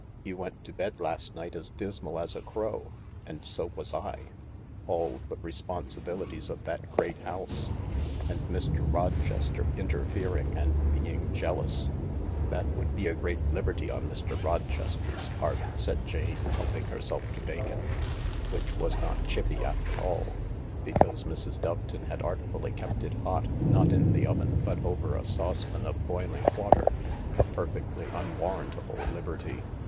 You went to bed last night as dismal as a crow, and so was I— all the responsibilities of that great house, and Mr. Rochester interfering and being jealous ..." "That would be a great liberty on Mr. Rochester's part," said Jane, helping herself to bacon— which was not chippy after all, because Mrs. Doveton had artfully kept it hot, not in the oven, but over a saucepan of boiling water— "a perfectly unwarrantable liberty.